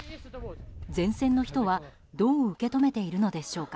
前線の人は、どう受け止めているのでしょうか。